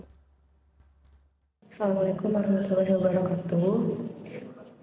assalamu'alaikum warahmatullahi wabarakatuh